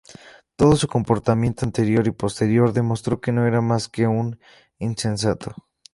Todo su comportamiento anterior y posterior demostró que no era más que un insensato.